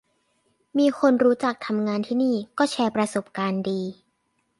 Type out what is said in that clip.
มีคนรู้จักทำงานที่นี่ก็แชร์ประสบการณ์ดี